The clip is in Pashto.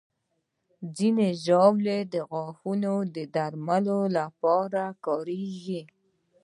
ځینې ژاولې د غاښونو درملنې لپاره کارېږي.